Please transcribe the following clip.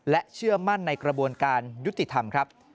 และเชื่อมั่นในกระบวนการยุติธรรมครับ